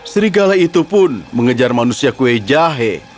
serigala itu pun mengejar manusia kue jahe